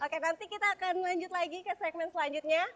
oke nanti kita akan lanjut lagi ke segmen selanjutnya